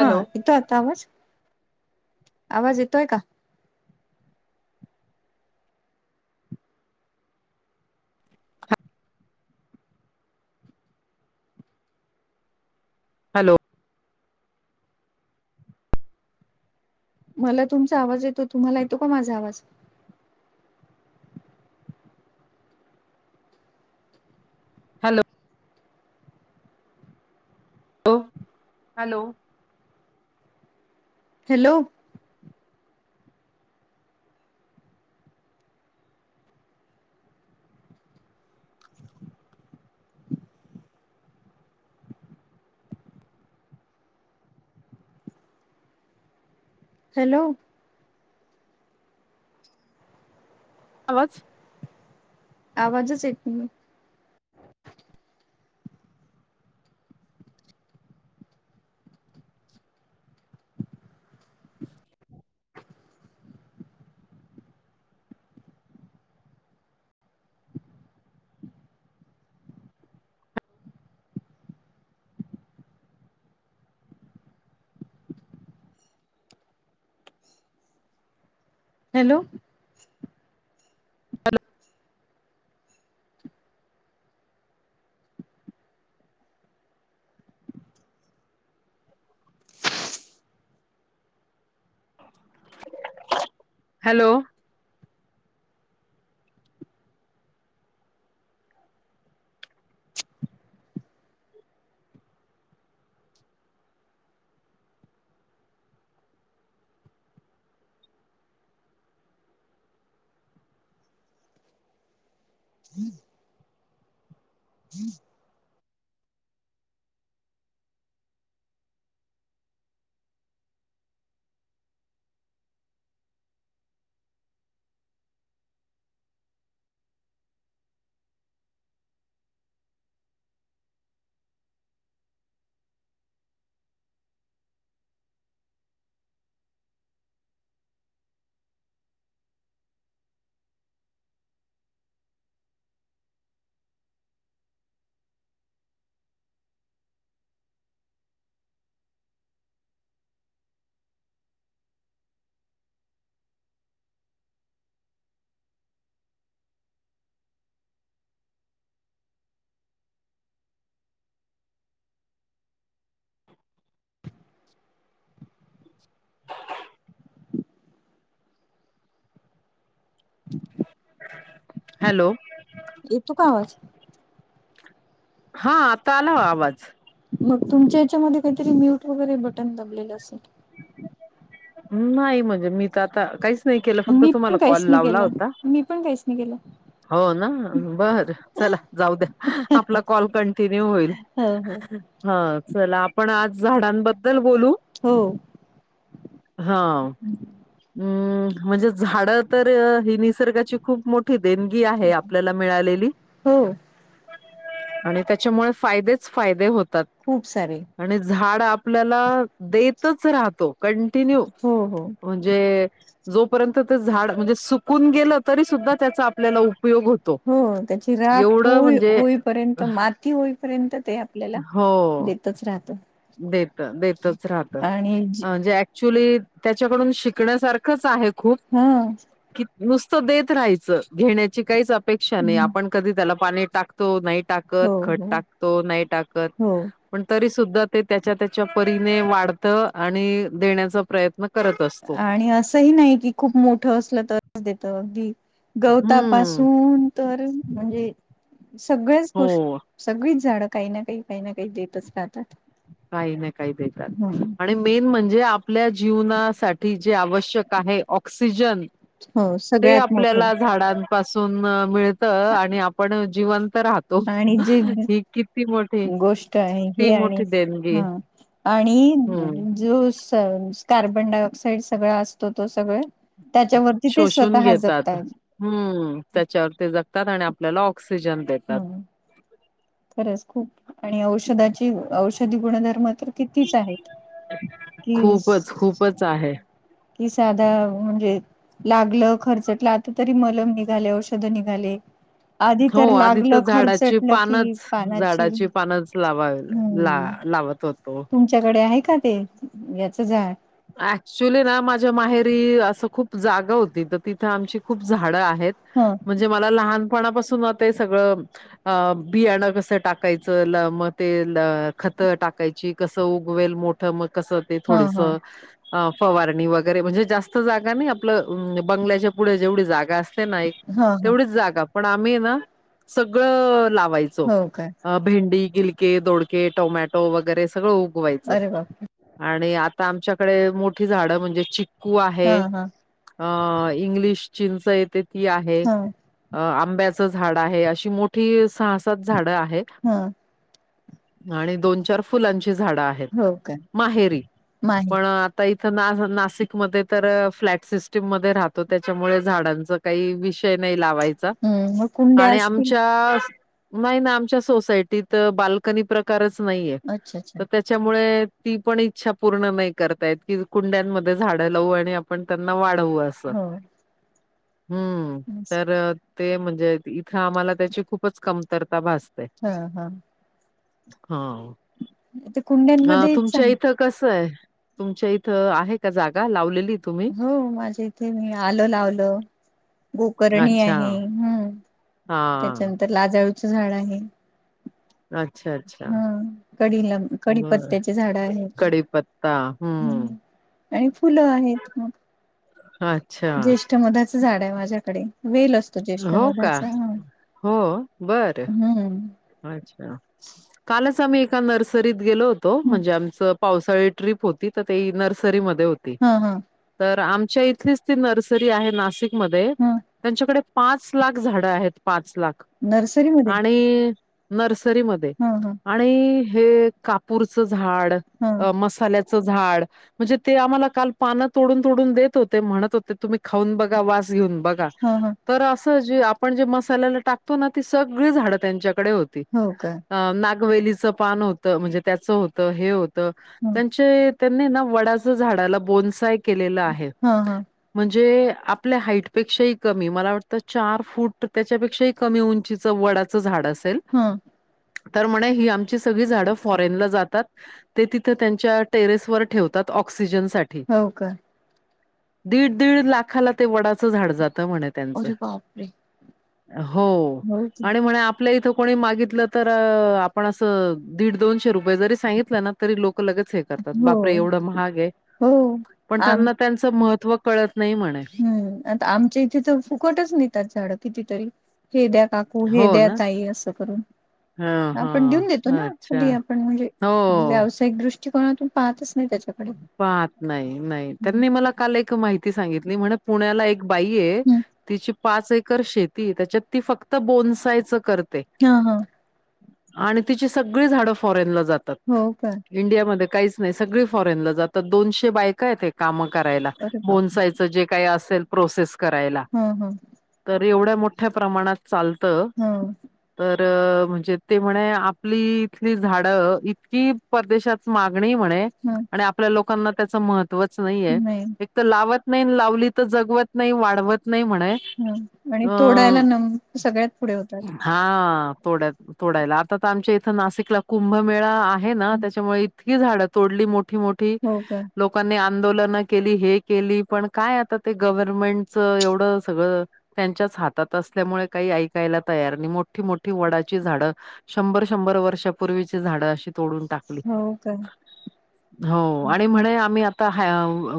हा येतोय आता आवाज, आवाज येतोय का? हॅलो, मला तुमचा आवाज येतो, तुम्हाला येतो का माझा आवाज? Hello, hello- hello, hello, hello, आवाज आवाजच येत नाही. हॅलो, हॅलो, [inaudible] ह् [inaudible] [inaudible] हॅलो, येतोय का आवाज? हा आता आला आवाज. मग तुमच्या याच्यामध्ये काहीतरी म्यूट वगैरे बटन दबलेले असेल. नाही म्हणजे मी त आता काहीच नाही केलं फक्त मी पण तुम्हाला काहीच कॉल नाही लावला केलं, होता मी पण काहीच नाही केलं. हो ना बरं चला जाऊ द्या, आपला कॉल कंटिन्यू होईल. हो- हो, हा चला आपण आज झाडांबद्दल बोलू हो, हा म्हणजे झाडं तर ही निसर्गाची खूप मोठी देणगी आहे आपल्याला मिळालेली. हो आणि त्याच्यामुळे फायदेच फायदे होतात. खूप सारे आणि झाड आपल्याला देतच राहतो कॅन्टीन्यू हो हो. जे जोपर्यंत ते झाड म्हणजे सुकून गेलं तरी सुद्धा त्याचा आपल्याला उपयोग होत. हो त्याची राख हो होईपर्यंत मा. ती होईपर्यंत ते आपल्याला हो देतच राहत. देत देतच राहत आणि जे ॲ क्च्युली त्याच्याकडून शिकण्यासारखंच आहे खूप. हम्म कि नुसतं देत राहायचं घेण्याची काहीच अपेक्षा नाही आपण कधी त्याला पाणी टाकतो नाही टाकत हो खत हो टाकतो नाही टाकत हो पण तरी सुद्धा. ते त्याच्या त्याच्या परीने वाढत आणि देण्याचा प्रयत्न करत असतो. आणि असंही नाही कि खूप मोठं असलं तरच देत अगदी हम्म. गवतापासून तर म्हणजे सगळ्याच हो. गोष्टी सगळीच झाडं काही ना काही काही ना काही देत काही ना काही ह देतात आणि मेन म्हणजे आपल्या जीवनासाठी जे आवश्यक आहे ऑक्सिजन. हो ते सगळ्यात मोठं आपल्याला झाडां पासून मिळत आणि आपण जिवंत राह तो आणि हि किती मोठे. का हे आणि हा आणि हम्म जो कार्बन डाय ऑक्साइड सगळ असतो तो सगळं. त्याच्यावरती ते शोषून स्वतः जगत घेतात. आहेत हम्म त्याच्यावर ते जगतात आणि आपल्याला ऑक्सिजन देतात. हम्म खरंच खूप आणि औषधाची औषधी गुणधर्म तर कितीच आहेत कि खूपच खूपच आहे कि साधा म्हणजे लागलं खर्चटलं आता तरी मलम निघाले औषध निघाले. आधी हो तर आधी तर लागलं झाडाची खर्चटलं की पानच पानाची झाडाची पानच लावा ला हम्म लावत लावत [unintelligible] तुमच्याकडे आहे का ते याच झाड अऍक्च्युली ना माझ्या माहेरी असं खूप जागा होती तर तिथं आमची खूप झाडं आहेत. ह म्हणजे मला लहानपणापासून ते सगळ अ बियाणं कस टाकायचं मग ते खत टाकायची कसं उगवेल मोठ. मग कसं ते ह ह थोडीसं अ फवारणी वगैरे म्हणजे जास्त जागा नाही आपलं बंगल्याच्या पुढे जेवढी जागा असते ना एक ह ह तेवढीच जागा पण आम्ही ना सगळं लावायचो. हो काय भेंडी गिलके दोडके टोमॅटो वगैरे सगळं उगवायचं. अरे बाप आणि आता आमच्याकडे मोठी झाडं म्हणजे चिक्कू आहे. हा हा अ इंग्लिश चिंच येते ती आहे. ह अ आंब्याचं झाड आहे. अशी मोठी सहा-सात झाडं आहे. ह आणि दोन-चार फुलांची झाडं आहे. हो का. माहित पण आता इथं ना, नाशिकमध्ये तर फ्लॅट सिस्टीम मध्ये राहतो. त्याच्यामुळे झाडांच काही विषय नाही लावायचा. हम्म मग कुंड्या आणि असतील आमच्या नाही ना, आमच्या सोसायटीत बाल्कनी प्रकारच नाहीये. अच्छा अच्छा तर त्या त्याच्यामुळे ती पण इच्छा पूर्ण नाही. करता येत की, कुंड्यांमध्ये झाड लावू आणि आपण त्यांना वाढवू अस. हो हम्म, तर ते म्हणजे इथं आम्हाला त्याची खूपच कमतरता भासते. ह ह हाव, ते अ कुंड्यांमध्ये तुमच्या चांग इथं कसं आहे. तुमच्या इथं आहे का जागा? लावलेली तुम्ही हो माझ्या इथे मी आलं लावलं. गोकर्णी अच्छा आहे. हम्म, हा त्याच्यानंतर लाजळूचं झाड आहे. अच्छा अच्छा ह, कढीला बर कडीपत्त्याचे झाड आहेत. कडीपत्ता हम्म हम, आणि फुलं आहेत. मग अच्छा. ज्येष्ठमधाचं झाड आहे माझ्याकडे. वेल असतो हो का ज्येष्ठमधाचा हा. हो बर हम्म, अच्छा. कालच आम्ही एका नर्सरीत गेलो होतो. म्हणजे आमचं पावसाळी ट्रीप होती. तर ते नर्सरीमध्ये होती. ह ह, तर आमच्या इथलीस ती नर्सरी आहे नाशिकमध्ये. हा त्यांच्याकडे पाच लाख झाडं आहेत पाच लाख. नर्सरीमध्ये आणि नर्सरीमध्ये हा हा ध्ये आणि हे कापूरचं झाड, हा मसाल्या चं झाड म्हणजे ते आम्हाला काल पान तोडून तोडून देत होते. म्हणत होते तुम्ही खाऊन बघा. वास घेऊन बघा. हा हा तर असं जे आपण जे मसाल्याला टाकतो ना, ती सगळी झाडं त्यांच्याकडे होती. हो का अ नागवेलीचं पान होतं. म्हणजे त्याचं होतं. हे होतं ह त्यांचे त्यांनी ना, वडाच झाडाला बोन्साय केलेलं आहे. हा हा म्हणजे आपल्या हाईटपेक्षाही कमी मला वाटतं चार फूट त्याच्यापेक्षाही कमी उंचीचं वडाचं झाड असेल. ह, तर म्हणे. ही आमची सगळी झाडं फॉरेनला जातात. ते तिथे त्यांच्या टेरेस वर ठेवतात. ऑक्सिजन साठी हो का. दीड दीड लाखाला ते वडाचं झाड जातं म्हणेत. अरे बापरे हो हो आणि म्हणे आपल्या इथं कोणी माग गितलं तर आपण असं दिड दोनशे रुपये जरी सांगितलं ना, तरी लोक लगेच हे करतात. हो बापरे एवढं महाग आहे. हो पण आम त्यांना त्यांचं महत्त्व कळत नाही म्हणे. हम्म, आता आमच्या इथे त फुकटच नेतात. झाडं कितीतरी हे द्या काकू, हे हो द्या ना? ताई असं करून हां, आपण हां. देऊन देतो ना, अच्छा. कधी आपण म्हणजे हो. व्यावसायिक दृष्टी [unintelligible] पाहतच नाही त्याच्यात. पात नाही नाही त्यांनी मला काल एक माहिती सांगितली म्हण पुण्याला एक बाई आहे तिची पाच एकर शेती हे त्याच्यात ती फक्त बोनसायचं करते. हा हा. आणि तिची सगळी झाडं फॉरेनला जातात. हो का. इंडियामध्ये काहीच नाही सगळी फॉरेनला जातात, दोनशे बायका आहेत काम करायला अरे बाप बोनसायचं जे काही असेल प्रोसेस करायला. हा हा. तरी एवढ्या मोठ्या प्रमाणात चालतं हा तर म्हणजे ते म्हणे आपली इथली झाडं इतकी परदेशात मागणी आहे म्हणे हम्म. आणि आपल्या लोकांना त्याच महत्वच नाहीये नाही हे तर लावत नाही लावली तर जगवत नाही वाढवत नाही म्हने ह आणि तोडायला ना सगळ्यात पुढे होतात. हा तोडत तोडायला आता तर आमच्या इथं नाशिकला कुंभमेळा आहे ना त्याच्यामुळे इतकी झाड तोडली मोठी मोठी लोक हो का लोकांनी आंदोलनं केली हे केली, पण काय आता ते गव्हरर्मेंटच एवढं सगळं त्यांच्याच हातात असल्यामुळे काही ऐकायला तयार नाही मोठी मोठी वडाची झाडं शंभर शंभर वर्षापूर्वीची झाडं अशी तोडून टाकली. हो काय? हो. आणि म्हणे आम्ही आता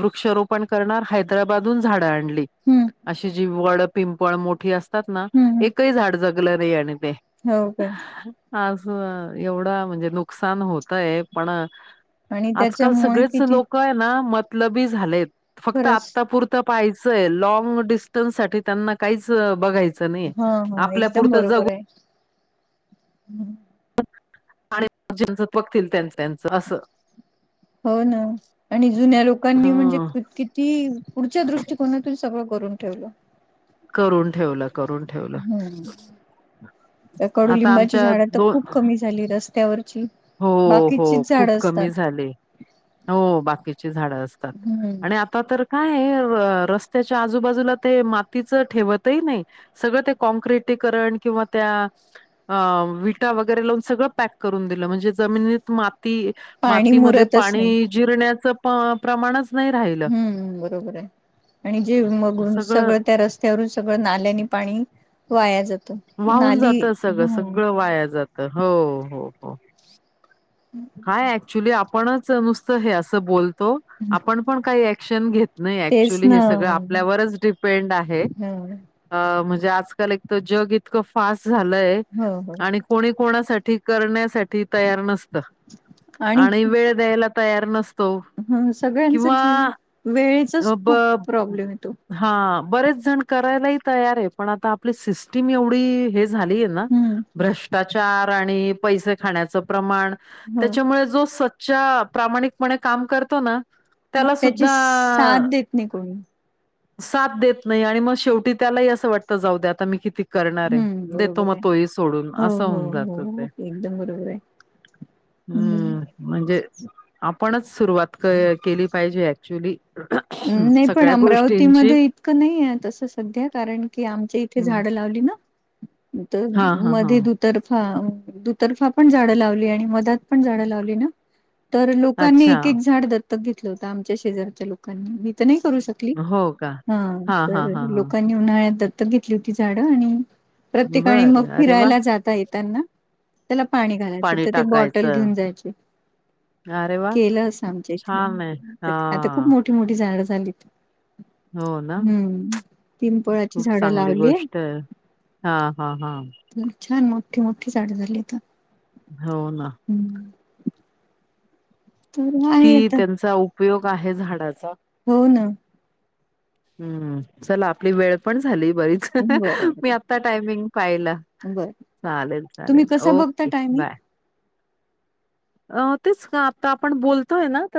वृक्षारोपण करणार हैदराबाद हून झाडं आणली हम्म. अशी जि वड पिंपळ मोठी असतात ना, हम्म एकही झाड जगलं नाही आणि ते हो काय. आज एवढं म्हणजे नुकसान होतय पण आणि आजकाल त्याच्यामुळे सगळेच किती लोक आहे ना मतलबी झालेत फक्त खरंच आतापुर त पाहायचंय लॉंग डिस्टन्ससाठी त्यांना काहीच बघायचं नाही हा आपल्या पुरत जगु हम्म. आणि ज्याचं बघतील त्यांचं अस. हो ना आणि जुन्या लोकांनी म्हणजे हं. किती पुढच्या दृष्टी कोनातुन सगळं करून ठेवलं. करून ठेवलं करून ठेवलं. हम्म आता कडुलिंबाची आमच्या झाडं तर दो खूप कमी झाली रस्त्यावरची, हो हो बाकीचीच खूप झाडं कमी असतात. झाले हो बाकीची झाड असतात हम्म. आणि आ ता तर काय रस्त्याच्या आजूबाजूला ते मातीच ठेवतही नाही. सगळं ते कॉँक्रिटीकरण किंवा त्या विटा वगैरे लावून सगळं पॅक करून दिलं, म्हणजे जे जमिनीत माती पाणी मातीमध्ये मुरतच नाही. पाणी जिरण्याच प्रमाणच नाही राहिलं. हम्म बरोबर आहे आणि जे मग सगळं त्या रस त्यावरून सगळं नाल्यानी पाणी वाया जातं. वाहून नाली जात सगळं ह सगळं वाया जात हो हो हो. [inaudible] काय ॲक्च्युली आपणच नुसतं हे असं बोलत. सो आपण पण काही ऍक्शन घेत नाही. तेच ॲक्च्युली ना हे सगळं आपल्यावरच डिपेंड आहे. ह अ म्हणजे आजकाल एक तर जग इतकं फास्ट झालंय हो हो आणि कोणी कोणासाठी करण्यासाठी तयार नसत आणि वेळ द्यायला तयार नसत. ह सगळ्यांच जीव वेळेचाच खूप प्रॉब्लेम येतो. हा बरेच जण करायलाही तयार आहे, पण आता आपली सिस्टीम एवढी हे झालीय ना हम्म. भ्रष्टाचार आणि पैसे खाण्याच प्रमाण- हो त्याच्यामुळे जो सच्चा प्रामाणिकपणे काम करतो ना- त्याला त्याची सुद्धा. साथ देत नाही कोणी. साथ देत नाही, आणि मग शेवटी त्यालाही असं वाटतं जाऊ द्या आता मी किती करणारय हम्म देतो बरोबर मग आहे. तोही सोडून हो असं हो होऊन जात ते. हो एकदम बरोबर आहे. हम्म म्हणजे आपणच सुरुवात केली पाहिजे ॲक्च्युली नाही पण अमरावतीमध्ये इतकं नाही आहे तसं सध्या. कारण की आमच्या इथे हं. झाडं लावली ना तर हां, हां, मध्ये हां. दु तर्फा दुतर्फा पण झाडं लावली आणि मधात पण झाडं लावली ना. तर लोकांनी अच्छा. एक एक झाड दत्तक घेतलं होतं आमच्या शेजारच्या लोकांनी. मी तर नाही करू शकत. हो का? हा हां, हां, तर हां, हां. लोकांनी उन्हाळ्यात दत्तक घेतली होती झाडं आणि प्रत्येकाने मग बरं. अरे वाह! फिरायला जाता येताना त्याला पाणी घालायचं तर ते बॉटल घेऊन जायचे. अरे वाह! केलं अस आमच्या छान आहे. इथे. आता खूप हां. मोठी मोठी झाडं झाली तर- हो ना? हम्म पिंपळाची झाडं लावलीय. हा हा हा. छान मोठी मोठी झाड झाली आता हो ना. हम्म. तर आहे किती आता त्यांचा उपयोग आहे झाडाचा? हो ना. हम्म चला आपली वेळ पण झाली बरीच. बरं मी बरं आता टायमिंग पाहिलं बरं चालेल तुम्ही चालेल कसा बघता ओके टायमिंग बाय. अ तेच का? आता आपण बोलतोय ना तर